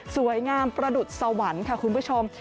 สวยงามประดุษสวรรค์ค่ะคุณผู้ชม